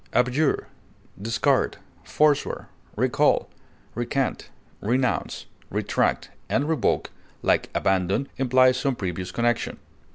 Abjure, discard, forswear, recall, recant, renounce, retract, and revoke, like abandon, imply some previous connection.